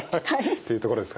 というところですかね。